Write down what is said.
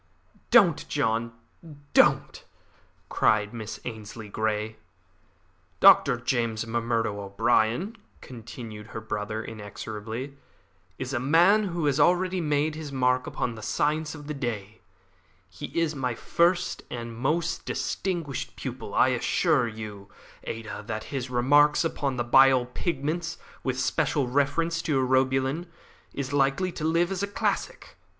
"Don't, John, don't!" cried Miss Ainslie Grey. "Dr. James M'Murdo O'Brien," continued her brother inexorably, "is a man who has already made his mark upon the science of the day. He is my first and my most distinguished pupil. I assure you, Ada, that his 'Remarks upon the Bile Pigments, with special reference to Urobilin,' is likely to live as a classic.